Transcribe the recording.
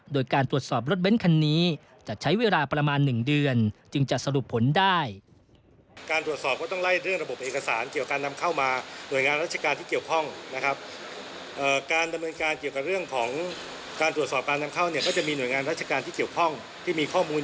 โดยการตรวจสอบรถเบ้นคันนี้จะใช้เวลาประมาณ๑เดือนจึงจะสรุปผลได้